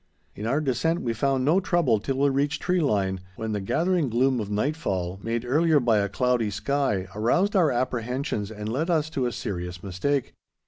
In our descent we found no trouble till we reached tree line, when the gathering gloom of nightfall, made earlier by a cloudy sky, aroused our apprehensions and led us to a serious mistake.